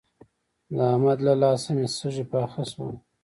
د احمد له لاسه مې سږي پاخه شول.